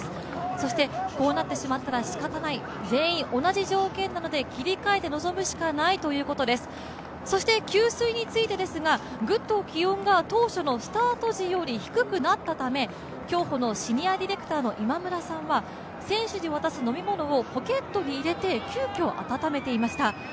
そしてこうなってしまったらしかたない、全員同じ条件なので切り替えて臨むしかないということです、そして給水についてですがぐっと気温が当初のスタート時よりも低くなったため競歩のシニアディレクターの今村さんは選手に渡す飲み物をポケットに入れて、急きょ温めていました。